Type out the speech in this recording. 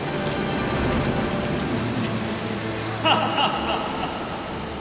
ハハハハハ！